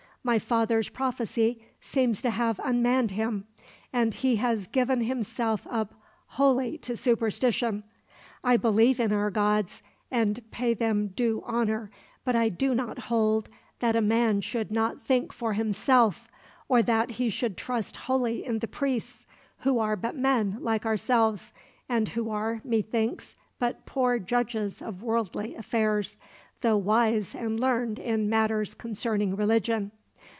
My father's prophecy seems to have unmanned him, and he has given himself up wholly to superstition. I believe in our gods, and pay them due honor; but I do not hold that a man should not think for himself, or that he should trust wholly in the priests, who are but men like ourselves; and who are, methinks, but poor judges of worldly affairs, though wise and learned in matters concerning religion.